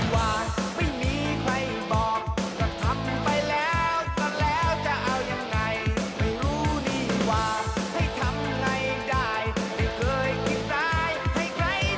ให้ใครต้องเลือกร้อน